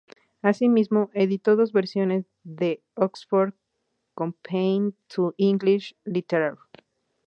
Así mismo, editó dos versiones de "The Oxford Companion to English Literature".